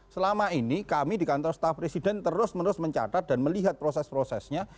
selama ini kami di kantor staf presiden terus menerus mencatat dan melihat proses prosesnya